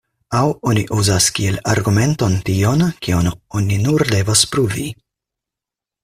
Aŭ oni uzas kiel argumenton tion, kion oni nur devas pruvi.